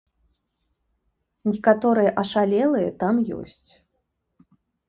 Некаторыя ашалелыя там ёсць.